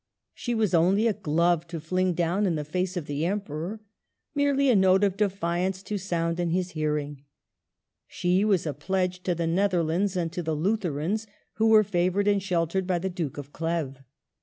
She was only a glove to fling down in the face of the Emperor, merely a note of defiance to sound in his hearing. She was a pledge to the Nether lands, and to the Lutherans who were favored and sheltered by the Duke of Cleves.